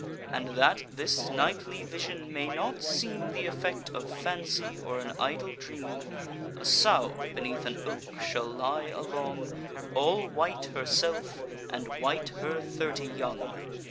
And that this nightly vision may not seem Th' effect of fancy, or an idle dream, A sow beneath an oak shall lie along, All white herself, and white her thirty young.